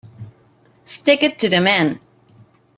Stick it to the Man!